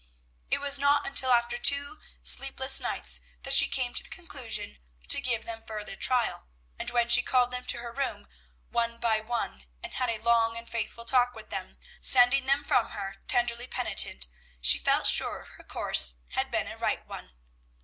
It was not until after two sleepless nights that she came to the conclusion to give them further trial; and when she called them to her room, one by one, and had a long and faithful talk with them, sending them from her tenderly penitent, she felt sure her course had been a right one.